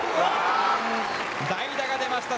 代打が出ました。